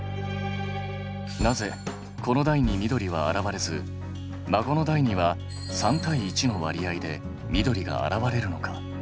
なぜ子の代に緑は現れず孫の代には３対１の割合で緑が現れるのか？